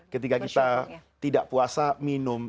ketika kita tidak puasa minum